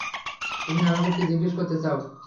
তুমি আমাকে কি জিজ্ঞেস করতে চাও?